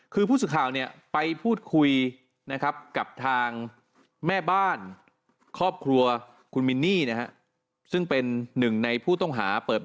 คือผู้สื่อข่าวไปพูดคุยกับทางแม่บ้านครอบครัวคุณมินนี่